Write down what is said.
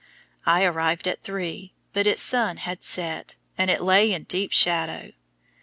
I arrived at three, but its sun had set, and it lay in deep shadow.